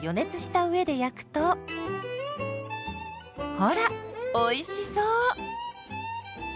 ほらおいしそう！